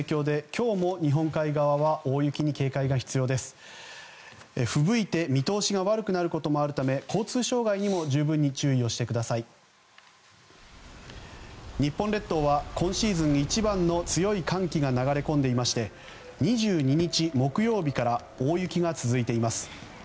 日本列島は今シーズン一番の強い寒気が流れ込んでいまして２２日、木曜日から大雪が続いています。